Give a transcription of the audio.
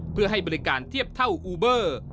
เพื่อให้บริการเทียบเท่าอูเบอร์